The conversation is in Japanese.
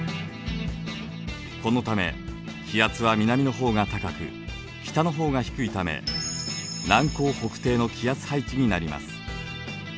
このため気圧は南の方が高く北の方が低いため南高北低の気圧配置になります。